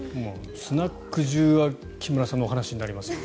スナック中木村さんのお話になりますよ。